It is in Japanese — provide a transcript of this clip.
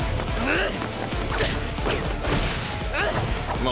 あっ！